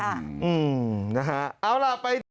อืมนะฮะเอาล่ะไปดู